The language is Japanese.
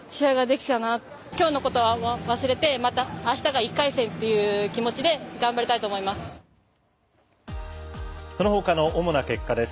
きょうのことは忘れてまた、あしたが１回戦という気持ちで頑張りたいと思います。